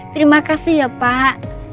terima kasih ya pak